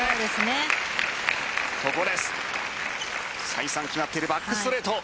再三決まっているバックストレート。